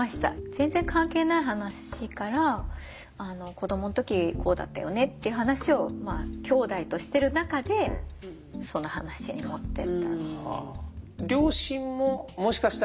全然関係ない話から子どもの時こうだったよねっていう話をきょうだいとしている中でその話に持ってったっていう。